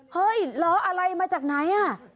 เห้ยล้ออะไรมาจากไหน